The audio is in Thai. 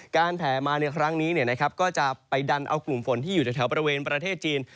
การแผ่มาในครั้งนี้เนี่ยนะครับก็จะไปดันเอากลุ่มฝนที่อยู่ในแถวประเวณประเทศจีน